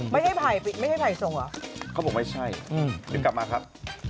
ไม่ให้ไข่ไม่ให้ไข่ส่งเหรอเขาบอกไม่ใช่กลับมาครับ